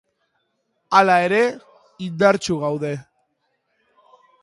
Hala ere, indartsu gaude.